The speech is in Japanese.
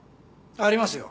ありますよ。